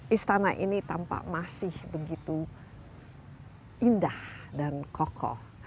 istana ini tampak masih begitu indah dan kokoh